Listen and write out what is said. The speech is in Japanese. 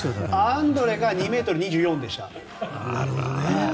アンドレが２ｍ２４でした。